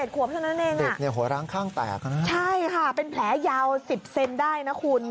๑๑ขวบเท่านั้นเองน่ะใช่ค่ะเป็นแผลยาว๑๐เซนได้นะคุณ